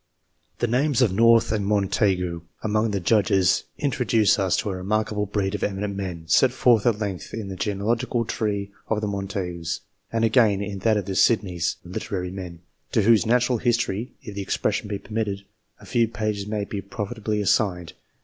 The names of North and Montagu, among the Judges, introduce us to a remarkable breed of eminent men, set forth at length in the genealogical tree of the Montagus, and again in that of the Sydney s (see the chapter on " LITERARY MEN "), to whose natural history if the ex pression be permitted a few pages may be profitably assigned.